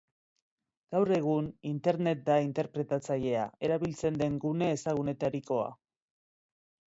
Gaur egun, internet da interpretatzailea erabiltzen den gune ezagunenetarikoa.